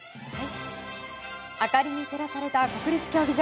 明かりに照らされた国立競技場。